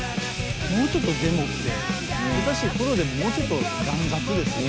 もうちょっとデモって下手したらプロでももうちょっと乱雑ですよ。